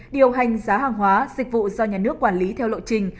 điều hành giá hàng hóa dịch vụ do nhà nước quản lý theo lộ trình